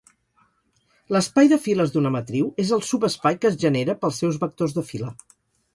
L'espai de files d'una matriu és el subespai que es genera pels seus vectors de fila.